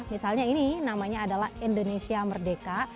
misalnya ini namanya adalah indonesia merdeka